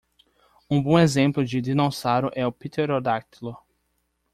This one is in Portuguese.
Um bom exemplo de dinossauro é o Pterodáctilo.